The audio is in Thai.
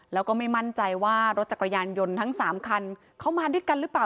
แล้วก็ไม่มั่นใจว่ารถจักรยานยนต์ทั้ง๓คันเขามาด้วยกันหรือเปล่า